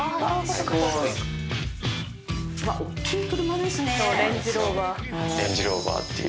すごい！